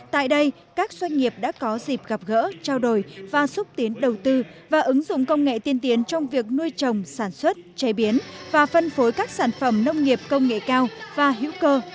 tại đây các doanh nghiệp đã có dịp gặp gỡ trao đổi và xúc tiến đầu tư và ứng dụng công nghệ tiên tiến trong việc nuôi trồng sản xuất chế biến và phân phối các sản phẩm nông nghiệp công nghệ cao và hữu cơ